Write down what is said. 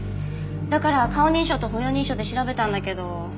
だから顔認証と歩容認証で調べたんだけど。